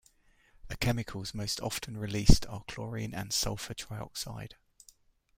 The chemicals most often released are chlorine and sulfur trioxide.